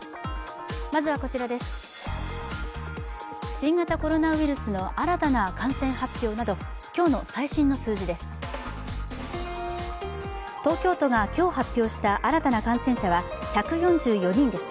新型コロナウイルスの新たな感染発表など今日の最新の数字です。